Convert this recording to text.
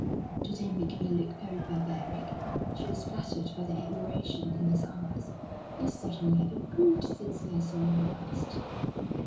"Do they make me look very barbaric?" She was flattered by the admiration in his eyes. "You certainly have improved since I saw you last."